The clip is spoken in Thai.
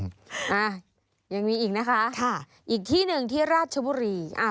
อ่ายังมีอีกนะคะค่ะอีกที่หนึ่งที่ราชบุรีอ่า